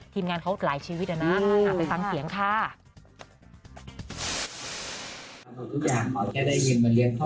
ทีมงานเขาหลายชีวิตอะนะอ้าวไปฟังเสียงค่ะ